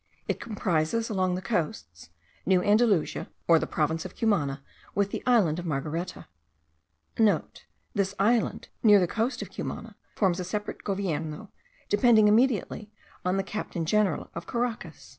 It comprises, along the coasts, New Andalusia, or the province of Cumana (with the island of Margareta),* (* This island, near the coast of Cumana, forms a separate govierno, depending immediately on the captain general of Caracas.)